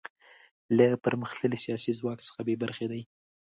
له پرمختللي سیاسي ځواک څخه بې برخې دي.